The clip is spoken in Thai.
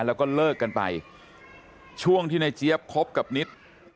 แล้วก็เลิกกันไปช่วงที่ในเจี๊ยบคบกับนิด